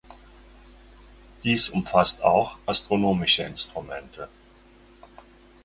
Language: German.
Dies umfasst auch astronomische Instrumente.